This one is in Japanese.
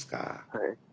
はい。